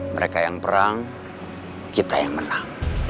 mereka yang perang kita yang menang